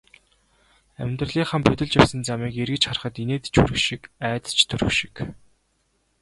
Амьдралынхаа будилж явсан замыг эргэж харахад инээд ч хүрэх шиг, айдас ч төрөх шиг.